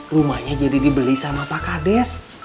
rumahnya jadi dibeli sama pak kades